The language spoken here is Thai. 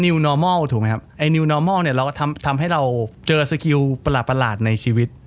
วนอร์มอลถูกไหมครับไอ้นิวนอร์มอลเนี่ยเราก็ทำให้เราเจอสกิลประหลาดในชีวิต